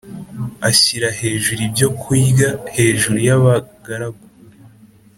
ashyira hejuru ibyo kurya hejuru yaba garagu